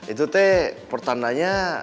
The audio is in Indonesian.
itu teh pertandanya